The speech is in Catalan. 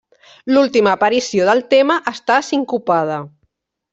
L'última aparició del tema està sincopada.